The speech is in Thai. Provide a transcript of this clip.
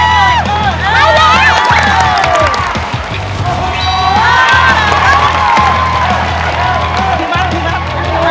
พี่บ๊าบพี่บ๊าบ